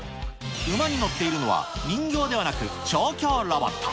馬に乗っているのは、人形ではなく調教ロボット。